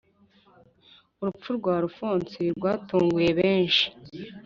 Urupfu rwa Alphonse rwatunguye benshi